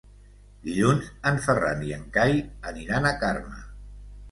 Dilluns en Ferran i en Cai aniran a Carme.